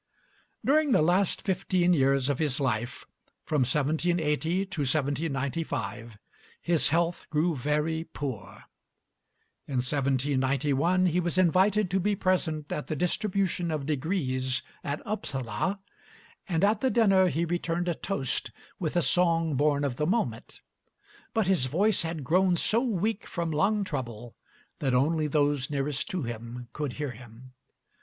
During the last fifteen years of his life, from 1780 to 1795, his health grew very poor. In 1791 he was invited to be present at the distribution of degrees at Upsala, and at the dinner he returned a toast with a song born of the moment; but his voice had grown so weak from lung trouble that only those nearest to him could hear him.